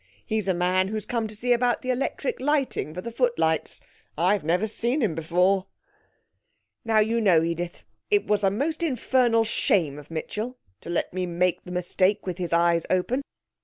He's a man who has come to see about the electric lighting for the footlights. I've never seen him before." Now, you know, Edith, it was a most infernal shame of Mitchell to let me make the mistake with his eyes open.